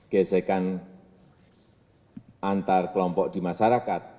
gesekan antar kelompok di masyarakat